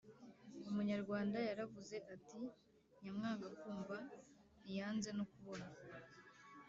Umunyarwanda yaravuze ati: “Nyamwanga kumva ntiyanze no kubona.”